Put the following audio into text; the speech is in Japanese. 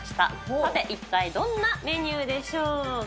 さて一体どんなメニューでしょうか。